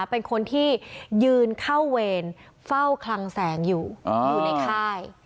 เป็นคนที่ยืนเข้าเวรเฝ้าคลังแสงอยู่อยู่ในค่าย